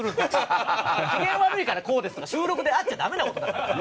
機嫌悪いからこうですとか収録であっちゃダメな事だから。